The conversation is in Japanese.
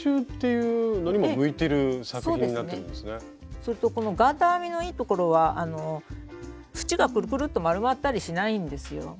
それとこのガーター編みのいいところは縁がくるくるっと丸まったりしないんですよ。